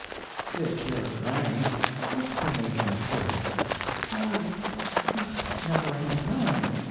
"Sick your granny; what's to make him sick?" "Oh, there's never any telling.